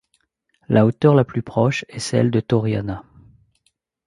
La hauteur la plus proche est celle de Torriana.